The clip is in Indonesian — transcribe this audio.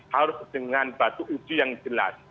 harus dengan batu uji yang jelas